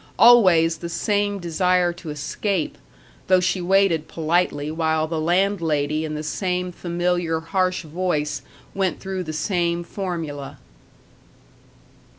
Always the same desire to escape, though she waited politely while the landlady in the same familiar harsh voice went through the same formula.